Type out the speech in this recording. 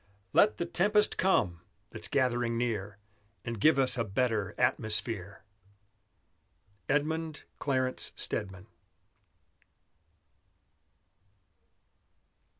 Let the tempest come, that's gathering near, And give us a better atmosphere! EDMUND CLARENCE STEDMAN.